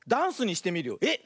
えっ！